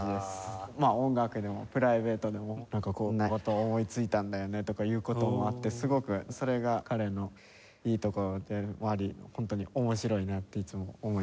まあ音楽でもプライベートでも「こんな事を思いついたんだよね」とか言う事もあってすごくそれが彼のいいところでもあり本当に面白いなっていつも思います。